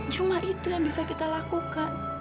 cuma itu yang bisa kita lakukan